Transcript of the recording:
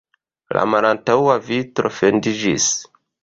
La malantaŭa vitro fendiĝis.